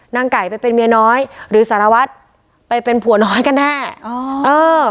นางไก่ไปเป็นเมียน้อยหรือสารวัตรไปเป็นผัวน้อยกันแน่อ๋อเออ